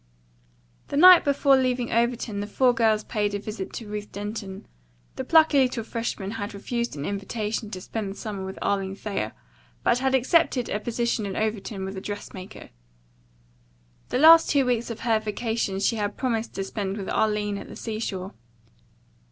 The night before leaving Overton the four girls paid a visit to Ruth Denton. The plucky little freshman had refused an invitation to spend the summer with Arline Thayer, but had accepted a position in Overton with a dress maker. The last two weeks of her vacation she had promised to spend with Arline at the sea shore.